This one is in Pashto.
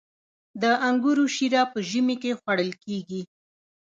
د انګورو شیره په ژمي کې خوړل کیږي.